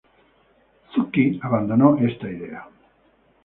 Zucchi abandonó esta idea.